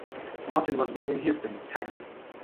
Martin was born in Houston, Texas.